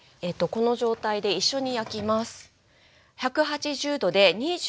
この状態で一緒に焼きます。